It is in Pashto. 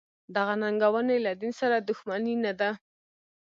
دغه ننګونې له دین سره دښمني نه ده.